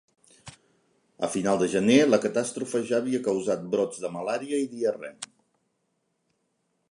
A final de gener, la catàstrofe ja havia causat brots de malària i diarrea.